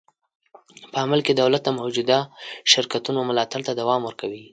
په عمل کې دولت د موجوده شرکتونو ملاتړ ته دوام ورکوي.